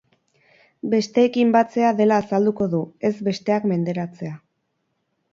Besteekin batzea dela azalduko du, ez besteak menderatzea.